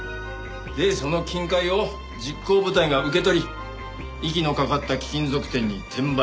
でその金塊を実行部隊が受け取り息のかかった貴金属店に転売。